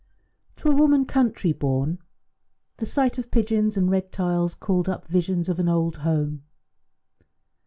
To a woman country born the sight of pigeons and red tiles called up visions of an old home.